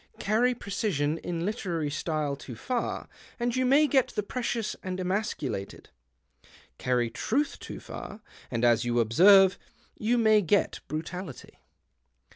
Carry precision in literary style too far, and you may get the precious and emasculated. Carry truth too far, and, as you observe, you may get brutality.